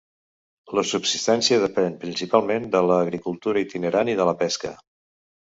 La subsistència depèn principalment de l'agricultura itinerant i de la pesca.